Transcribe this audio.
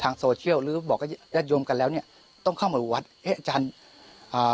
ทางโซเชียลหรือบอกรัฐยมกันแล้วเนี่ยต้องเข้ามาบุวัดเอ๊ะอาจารย์อ่า